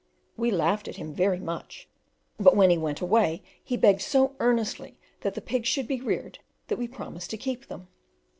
We laughed at him very much; but when he went away he begged so earnestly that the pigs should be reared that we promised to keep them.